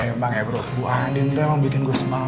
emang ya bro bu andin tuh emang bikin gue semangat